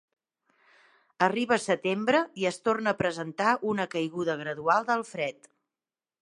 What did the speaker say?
Arriba setembre, i es torna a presentar una caiguda gradual del fred.